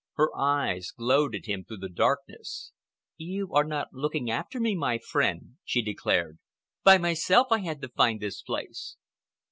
Her eyes glowed at him through the darkness. "You are not looking after me, my friend," she declared. "By myself I had to find this place."